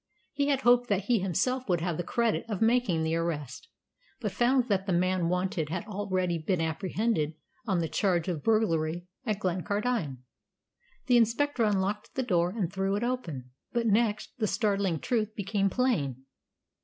He had hoped that he himself would have the credit of making the arrest, but found that the man wanted had already been apprehended on the charge of burglary at Glencardine. The inspector unlocked the door and threw it open, but next instant the startling truth became plain.